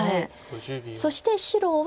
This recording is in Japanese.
そして白は。